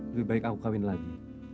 lebih baik aku kawin lagi